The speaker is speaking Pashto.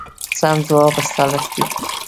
سم ځواب استالف دی.